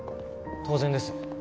当然です。